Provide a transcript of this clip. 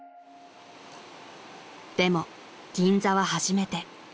［でも銀座は初めて］